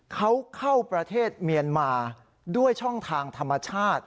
เขาเข้าประเทศเมียนมาด้วยช่องทางธรรมชาติ